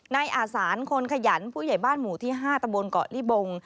นายอาสานคนขยันผู้ใหญ่บ้านหมู่ที่๕ตะบนเกาะลิบง